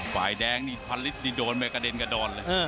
ฝ่ายแดงนี่พันฤทธินี่โดนไปกระเด็นกระดอนเลย